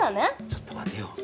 ちょっと待てよ。